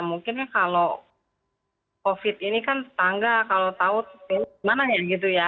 mungkin ya kalau covid ini kan setangga kalau tahu gimana ya gitu ya